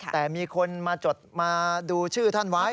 แต่มีคนมาจดมาดูชื่อท่านไว้